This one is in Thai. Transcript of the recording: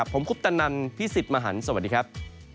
ผมคุปตนันพี่สิทธิ์มหันฯสวัสดีครับ